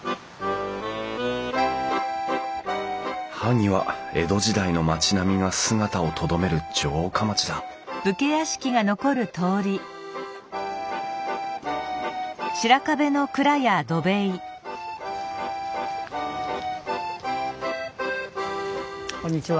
萩は江戸時代の町並みが姿をとどめる城下町だこんにちは。